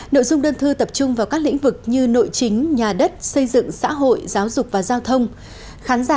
nội dung đơn thư tập trung vào các lĩnh vực như nội chính nhà đất xây dựng xã hội giáo dục và giao thông